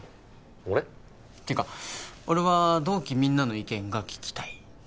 俺？っていうか俺は同期みんなの意見が聞きたい。